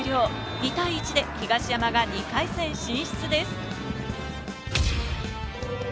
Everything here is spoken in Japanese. ２対１で東山が２回戦進出です。